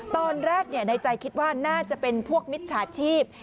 ตอนแรกในใจคิดว่าน่าจะเป็นพวกมิจฉาชีพ